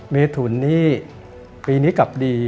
เมถุนนี่ปีนี้กลับดี